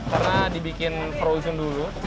karena dibikin perusung dulu